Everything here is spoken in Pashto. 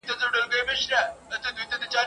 د بادار په اشاره پرې کړي سرونه ..